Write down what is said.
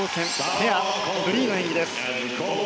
ペア、フリーの演技です。